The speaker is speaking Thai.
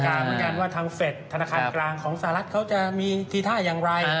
เหมือนกันว่าทางเฟสธนาคารกลางของสหรัฐเขาจะมีทีท่าอย่างไร